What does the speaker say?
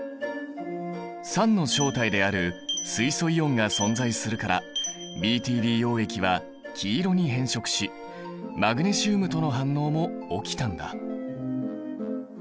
酸の正体である水素イオンが存在するからＢＴＢ溶液は黄色に変色しマグネシウムとの反応も起きたんだ。